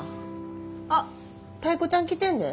あっタイ子ちゃん来てんで。